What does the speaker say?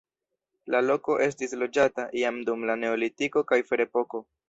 La loko estis loĝata jam dum la neolitiko kaj ferepoko.